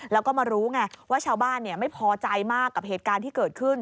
แล้วก็มารู้ไงว่าชาวบ้านไม่พอใจมากกับเหตุการณ์ที่เกิดขึ้น